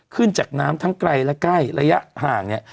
ขึ้นจากน้ำทั้งไกลและใกล้ระยะห่างเนี่ย